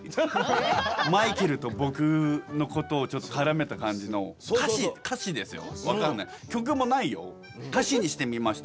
マイケルと僕のことをちょっと絡めた感じの歌詞歌詞にしてみました！